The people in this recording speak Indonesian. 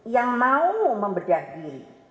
yang mau membedah diri